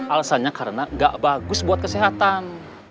alasannya karena gak bagus buat kesehatan